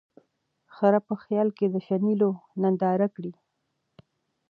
خره په خیال کی د شنېلیو نندارې کړې